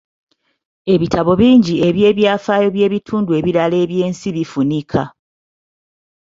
Ebitabo bingi eby'ebyafaayo by'ebitundu ebirala eby'ensi bifunika.